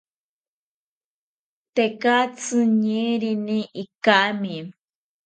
Tekatzi ñeerini ikami